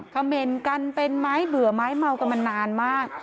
เขม่นกันเป็นไม้เบื่อไม้เมากันมานานมาก